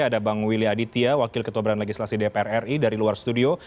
ada bang willy aditya wakil ketua badan legislasi dpr ri dari luar studio